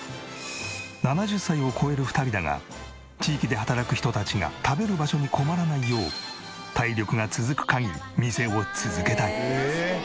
７０歳を超える２人だが地域で働く人たちが食べる場所に困らないよう体力が続く限り店を続けたい。